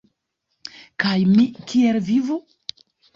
Kaj mi kiel vivu?